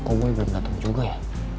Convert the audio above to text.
kok boy belum dateng juga ya